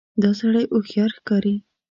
دا سړی هوښیار ښکاري.